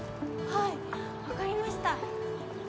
はい分かりました。